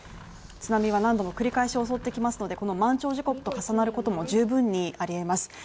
津波は何度も繰り返し襲ってきますのでこの満潮時刻と重なることも十分にありえます